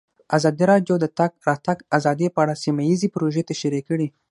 ازادي راډیو د د تګ راتګ ازادي په اړه سیمه ییزې پروژې تشریح کړې.